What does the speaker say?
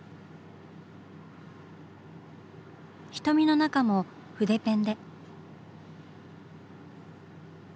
瞳の中も筆ペンで。